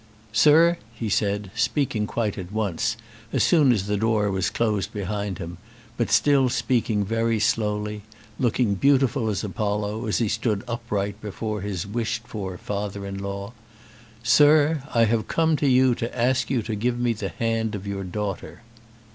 "Sir," he said, speaking quite at once, as soon as the door was closed behind him, but still speaking very slowly, looking beautiful as Apollo as he stood upright before his wished for father in law "Sir, I have come to you to ask you to give me the hand of your daughter."